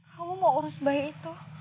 kamu mau urus bayi itu